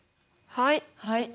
はい。